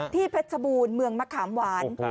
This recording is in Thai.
เพชรบูรณ์เมืองมะขามหวาน